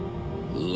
うわ！！